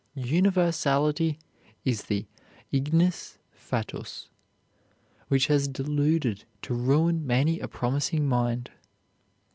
Universality is the ignis fatuus which has deluded to ruin many a promising mind.